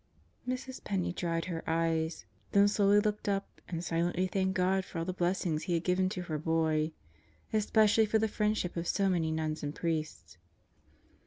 ... Mrs. Penney dried her eyes, then slowly looked up and silently thanked God for all the blessings He had given to her boy especially for the friendship of so many nuns and priests.